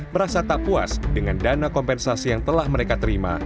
merasa tak puas dengan dana kompensasi yang telah mereka terima